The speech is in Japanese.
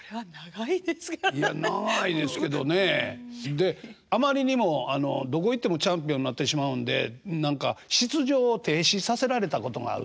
であまりにもどこ行ってもチャンピオンになってしまうんで何か出場を停止させられたことがあるという。